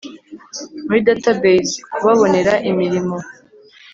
muri database kubabonera imirimo